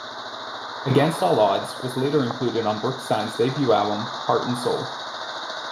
"Against All Odds" was later included on Brookstein's debut album "Heart and Soul".